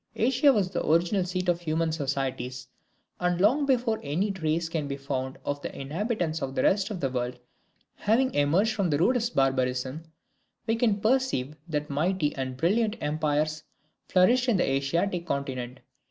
Asia was the original seat of human societies and long before any trace can be found of the inhabitants of the rest of the world having emerged from the rudest barbarism, we can perceive that mighty and brilliant empires flourished in the Asiatic continent.